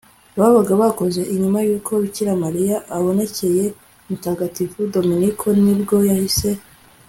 babaga bakoze. nyuma y'uko bikira mariya abonekeye mutagatifu dominiko, nibwo yahise